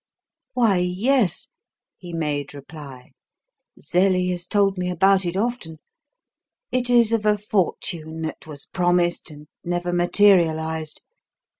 "Why, yes," he made reply. "Zelie has told me about it often. It is of a fortune that was promised and never materialized.